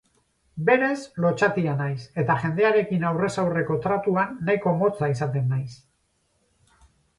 Berez lotsatia naiz eta jendearekin aurrez aurreko tratuan nahiko motza izaten naiz.